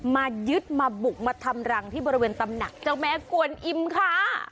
มายึดมาบุกมาทำรังที่บริเวณตำหนักเจ้าแม่กวนอิมค่ะ